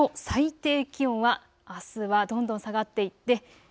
最低気温は、あすはどんどん下がっていって